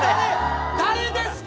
誰ですか。